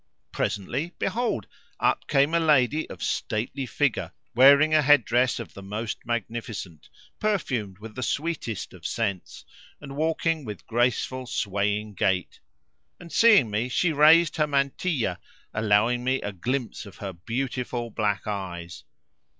Presently, behold, up came a lady of stately figure wearing a head dress of the most magnificent, perfumed with the sweetest of scents and walking with graceful swaying gait; and seeing me she raised her mantilla allowing me a glimpse of her beautiful black eyes.